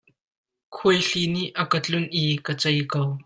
Khuaihli nih a ka tlunh i ka cei ko.